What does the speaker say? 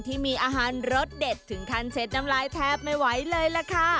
ที่มีอาหารรสเด็ดถึงขั้นเช็ดน้ำลายแทบไม่ไหวเลยล่ะค่ะ